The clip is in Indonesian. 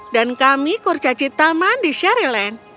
dan kami kurcacit taman di sherryland